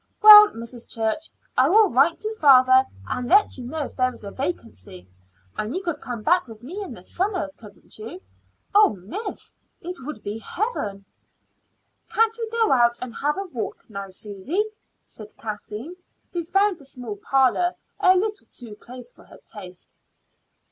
"Well, Mrs. Church, I will write to father and let you know if there is a vacancy; and you could come back with me in the summer, couldn't you?" "Oh, miss, it would be heaven!" "Can't we go out and have a walk now, Susy?" said Kathleen, who found the small parlor a little too close for her taste.